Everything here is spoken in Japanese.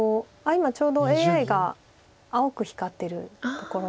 今ちょうどＡＩが青く光ってるところに。